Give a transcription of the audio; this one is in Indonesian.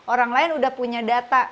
orang lain udah punya data